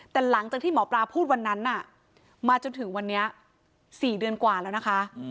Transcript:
แต่หลังจากที่หมอปลาพูดวันนั้นมาจนถึงวันนี้๔เดือนกว่าแล้วนะคะ